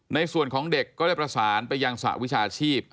ในส่วนของเด็กก็ได้ประสานไปยังสหวิชาชีพ